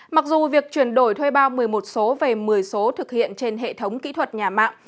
mặc dù việc chuyển đổi thuê bao một mươi một số về một mươi số thực hiện trên hệ thống kỹ thuật nhà mạng